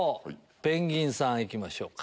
ペンギンさん行きましょうか。